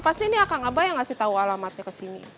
pasti ini akan ngabah yang ngasih tau alamatnya kesini